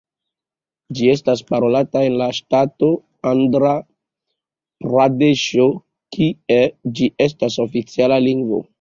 Ĝi estas parolata en la ŝtato Andra-Pradeŝo kie ĝi estas oficiala lingvo.